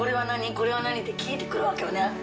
これは何？」って聞いてくるわけよね。